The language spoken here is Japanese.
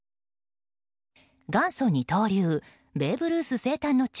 元祖二刀流ベーブ・ルース生誕の地